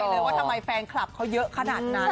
เลยว่าทำไมแฟนคลับเขาเยอะขนาดนั้น